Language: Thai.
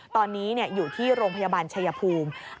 ตอนนี้อยู่ที่โรงพยาบาลชายภูมิ